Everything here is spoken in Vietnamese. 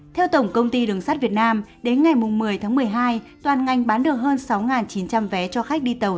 theo tổng công ty đường sắt việt nam đến ngày một mươi tháng một mươi hai toàn ngành bán được hơn sáu chín trăm linh vé cho khách đi tàu